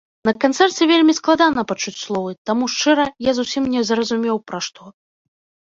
На канцэрце вельмі складана пачуць словы, таму шчыра, я зусім не зразумеў, пра што.